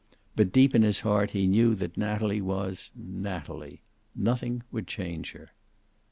But deep in his heart he knew that Natalie was Natalie. Nothing would change her.